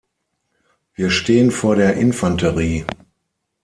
Wir stehen vor der Infanterie.